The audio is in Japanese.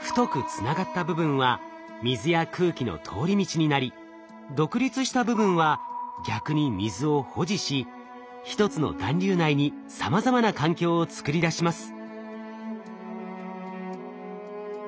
太くつながった部分は水や空気の通り道になり独立した部分は逆に水を保持し一つの団粒内にさまざまな環境を作り出します。